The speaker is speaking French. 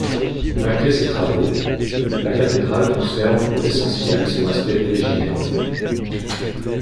Malgré ces travaux, la cathédrale conserve pour l'essentiel son aspect originel.